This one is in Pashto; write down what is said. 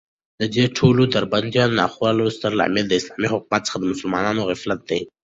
ددې ټولو دربدريو او ناخوالو ستر لامل داسلامې حكومت څخه دمسلمانانو غفلت دى